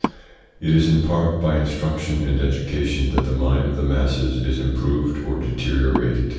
It is in part by instruction and education that the mind of the masses is improved or deteriorated.